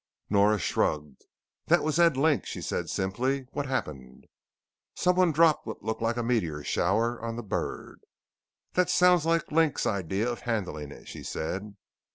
Nora shrugged. "That was Ed Link," she said simply. "What happened?" "Someone dropped what looked like a meteor shower on the bird." "That sounds like Link's idea of handling it," she said.